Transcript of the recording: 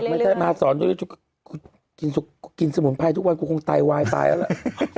ไม่ได้มาซ้อนกินสมุนไพรทุกวันกูคงตายวายตายแล้ว